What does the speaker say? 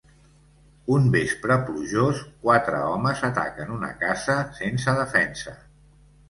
Un vespre plujós, quatre homes ataquen una casa sense defensa.